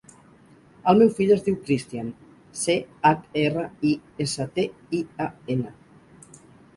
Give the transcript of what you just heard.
El meu fill es diu Christian: ce, hac, erra, i, essa, te, i, a, ena.